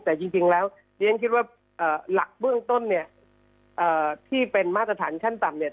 แต่จริงแล้วเรียนคิดว่าหลักเบื้องต้นเนี่ยที่เป็นมาตรฐานขั้นต่ำเนี่ย